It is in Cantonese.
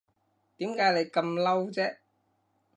點解你咁嬲啫